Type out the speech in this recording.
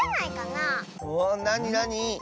なになに？